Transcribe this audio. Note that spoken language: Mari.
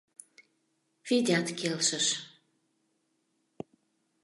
— Федят келшыш.